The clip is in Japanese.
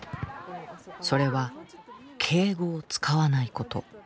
それは敬語を使わないこと。